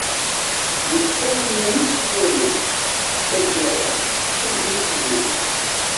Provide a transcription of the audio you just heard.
Yefka iman-is i waman, taggara ččan-t yiselman.